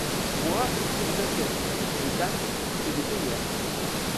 Moi, je fais des assiettes, des tasses et des théières.